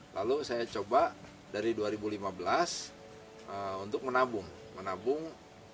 lalu saya coba dari dua ribu lima belas untuk menabung menabung